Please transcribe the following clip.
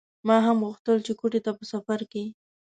ما هم غوښتل چې کوټې ته په سفر کې.